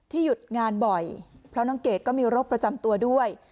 หยุดงานบ่อยเพราะน้องเกดก็มีโรคประจำตัวด้วย